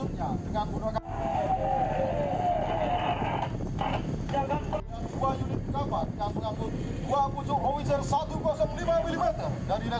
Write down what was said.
tepuk tangan tepuk tangan